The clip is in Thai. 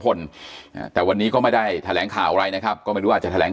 คนแต่วันนี้ก็ไม่ได้แถลงข่าวอะไรนะครับก็ไม่รู้อาจจะแถลง